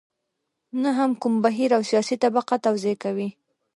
نه هم کوم بهیر او سیاسي طبقه توضیح کوي.